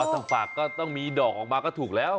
ถ้าฝากก็ต้องมีดอกออกมาก็ถูกแล้ว